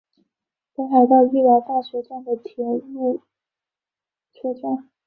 北海道医疗大学站的铁路车站。